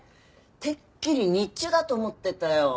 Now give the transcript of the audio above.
てっきり日中だと思ってたよ。